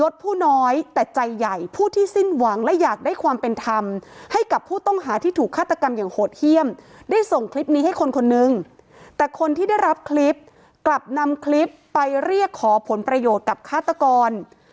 ได้ส่งคลิปนี้ให้คนคนหนึ่งแต่คนที่ได้รับคลิปกลับนำคลิปไปเรียกขอผลประโยชน์กับฆาตกร